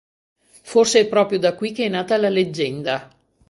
Forse è proprio da qui che è nata la leggenda.